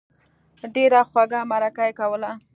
ډېره خوږه مرکه یې کوله.